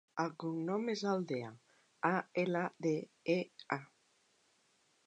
El cognom és Aldea: a, ela, de, e, a.